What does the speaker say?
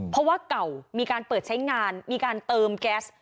เพราะว่าเก่ามีการเปิดใช้งานมีการเติมแก๊ส